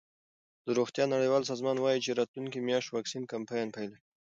د روغتیا نړیوال سازمان وايي چې راتلونکې میاشت واکسین کمپاین پیلوي.